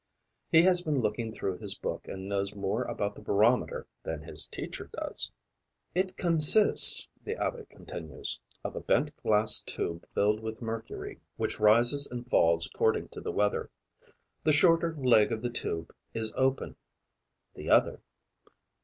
He has been looking through his book and knows more about the barometer than his teacher does. 'It consists,' the abbe continues, 'of a bent glass tube filled with mercury, which rises and falls according to the weather. The shorter leg of this tube is open; the other...